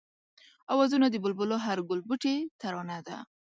آوازونه د بلبلو هر گلبوټی ترانه ده